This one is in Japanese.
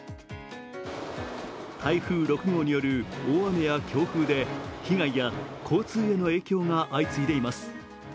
台風６号による大雨や強風で被害や交通への影響が相次いでいます。